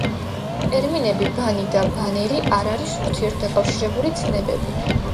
ტერმინები „ბანი“ და „ბანერი“ არ არის ურთიერთდაკავშირებული ცნებები.